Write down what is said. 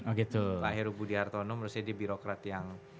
menurut saya dia birokrat yang